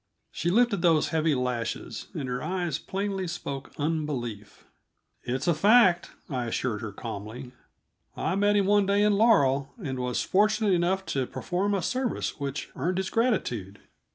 She lifted those heavy lashes, and her eyes plainly spoke unbelief. "It's a fact," I assured her calmly. "I met him one day in Laurel, and was fortunate enough to perform a service which earned his gratitude.